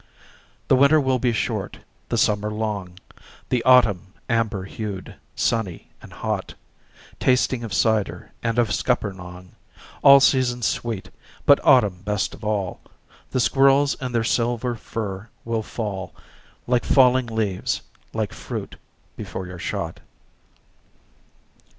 The winter will be short, the summer long, The autumn amber hued, sunny and hot, Tasting of cider and of scuppernong; All seasons sweet, but autumn best of all. The squirrels in their silver fur will fall Like falling leaves, like fruit, before your shot.